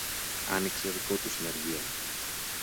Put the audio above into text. άνοιξε δικό του συνεργείο.